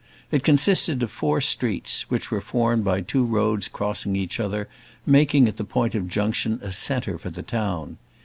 It consisted of four streets, which were formed by two roads crossing each other, making at the point of junction a centre for the town.